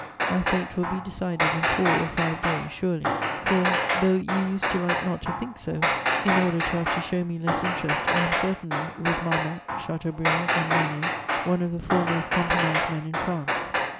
My fate will be decided in four or five days surely; for, though you used to like not to think so, in order to have to show me less interest, I am certainly, with Marmont, Chateaubriand and Lainé, one of the four most compromised men in France.